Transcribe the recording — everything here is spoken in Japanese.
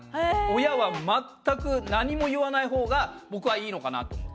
親は全く何も言わないほうが僕はいいのかなと思って。